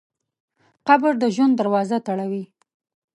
قبر د ژوند دروازه تړوي.